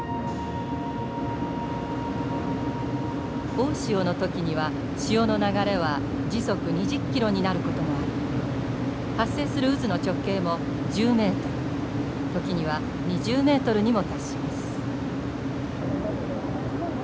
大潮の時には潮の流れは時速２０ｋｍになることもあり発生する渦の直径も１０ｍ時には２０ｍにも達します。